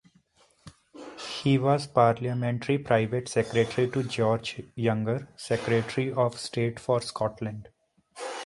He was Parliamentary Private Secretary to George Younger, Secretary of State for Scotland.